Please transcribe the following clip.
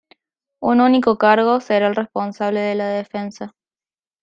Un único cargo será el responsable de la defensa.